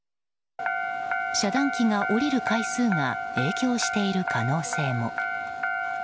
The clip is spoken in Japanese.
遮断機が下りる回数が影響している可能性も。